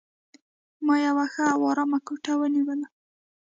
ما یوه ښه او آرامه کوټه ونیول.